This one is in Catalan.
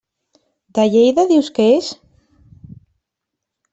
De Lleida dius que és?